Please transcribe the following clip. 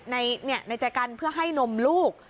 ในใจกันเพื่อให้นมลูก